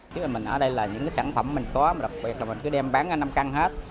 trước đây mình ở đây là những sản phẩm mình có đặc biệt là mình cứ đem bán năm căn hết